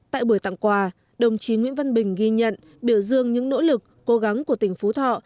tại buổi tặng quà đồng chí nguyễn văn bình ghi nhận biểu dương những nỗ lực cố gắng của tỉnh phú thọ